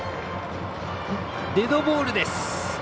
デッドボールです。